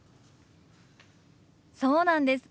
そうなんです。